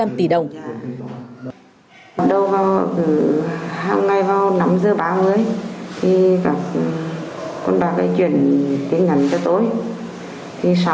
hôm nay vào năm giờ ba mươi thì con bà gây chuyển tiền ngắn cho tôi